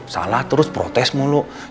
salah terus protes gue gak pernah bener di mata lo